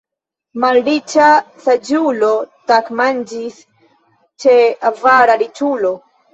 Malriĉa saĝulo tagmanĝis ĉe avara riĉulo.